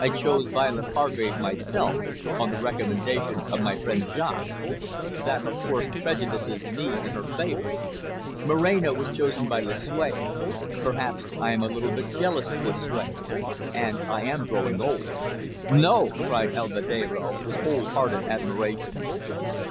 I chose Violet Hargrave myself, on the recommendation of my friend Jaques; that, of course, prejudices me in her favour. Moreno was chosen by Lucue. Perhaps I am a little bit jealous of Lucue. And I am growing old." "No," cried Alvedero, with whole hearted admiration.